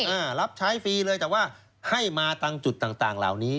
อ่ารับใช้ฟรีเลยแต่ว่าให้มาตามจุดต่างต่างเหล่านี้